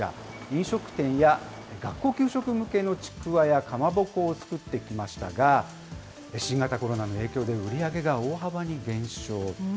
飲食店や学校給食向けのちくわやかまぼこを作ってきましたが、新型コロナの影響で売り上げが大幅に減少。